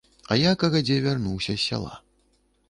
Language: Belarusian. А я кагадзе вярнуўся з сяла.